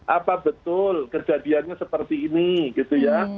apa betul kejadiannya seperti ini gitu ya